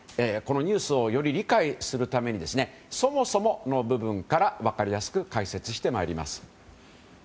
このニュースをより理解するためにそもそもの部分から分かりやすく解説してまいります。